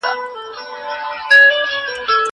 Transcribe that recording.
مېوې د مور له خوا راټولې کيږي.